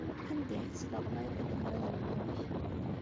Anda ay tesleɣmayeḍ inelmaden-nnek?